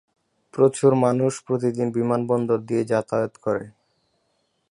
প্রচুর মানুষ প্রতিদিন বিমানবন্দর দিয়ে যাতায়াত করে।